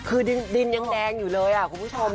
คือดินยังแดงอยู่เลยคุณผู้ชม